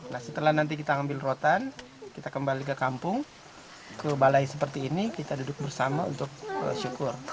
nah setelah nanti kita ambil rotan kita kembali ke kampung ke balai seperti ini kita duduk bersama untuk syukur